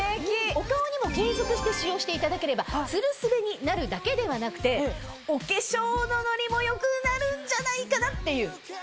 お顔にも継続して使用していただければツルスベになるだけではなくてお化粧のノリも良くなるんじゃないかなっていう。